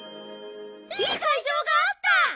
いい会場があった！